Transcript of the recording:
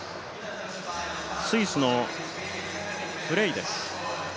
スイスのフレイです。